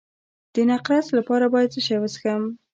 د نقرس لپاره باید څه شی وڅښم؟